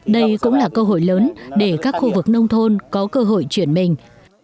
đây cũng là cơ hội lớn để các khu vực nông thôn có cơ hội chuyển mình